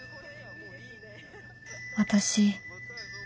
私